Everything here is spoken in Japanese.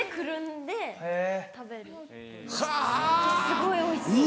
すごいおいしい。